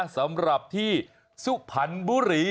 สำหรับที่สุพรรณบุรี